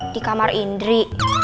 di kamar indri